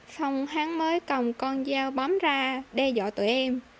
xong hắn mới cầm con dao bấm ra đe dọa tụi em